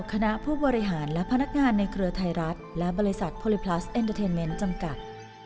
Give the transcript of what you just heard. คณะผู้บริหารและพนักงานในเครือไทยรัฐและบริษัทโพลิพลัสเอ็นเตอร์เทนเมนต์จำกัด